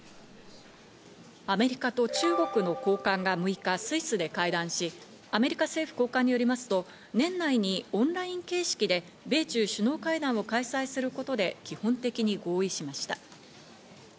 アメリカと中国の高官が６日スイスで会談し、アメリカ政府高官によりますと、年内にオンライン形式で米中首脳会談を開催することで基本的に合意しました。